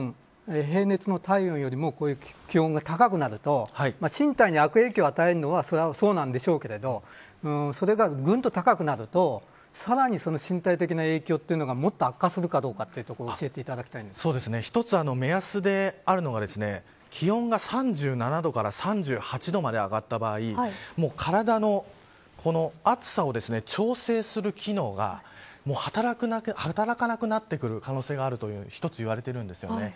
平熱の体温よりも気温が高くなると身体に悪影響を与えるのはそうなんでしょうけれどもそれがぐんと高くなるとさらに身体的な影響というのがもっと悪化するかどうかというところを一つ目安であるのが、気温が３７度から３８度まで上がった場合体の熱さを調整する機能が働かなくなってくる可能性があるというのが一つ言われています。